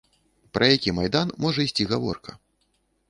Пра які майдан можа ісці гаворка?